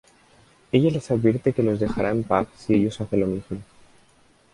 Ella les advierte que los dejara en paz si ellos hacen lo mismo.